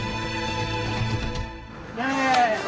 せの！